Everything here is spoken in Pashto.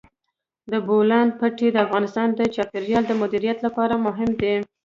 د بولان پټي د افغانستان د چاپیریال د مدیریت لپاره مهم دي.